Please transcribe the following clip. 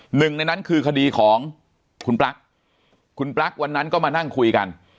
หนึ่งในนั้นคือคดีของคุณปลั๊กคุณปลั๊กวันนั้นก็มานั่งคุยกัน